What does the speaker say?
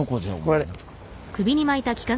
これ。